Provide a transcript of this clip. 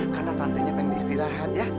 karena tantenya pengen istirahat ya